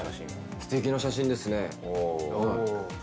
すてきな写真ですね。